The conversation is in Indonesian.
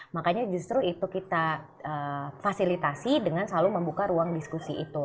makanya justru itu kita fasilitasi dengan selalu membuka ruang diskusi itu